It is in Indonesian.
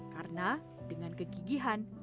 karena dengan kegigihan